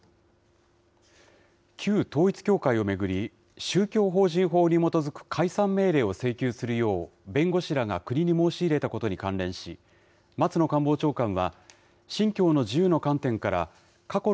旧統一教会を巡り、宗教法人法に基づく解散命令を請求するよう弁護士らが国に申し入れたことに関連し、松野官房長官は、信教の自由の観点から、過去